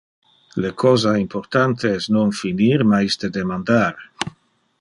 Le cosa importante es non finir mais de demandar.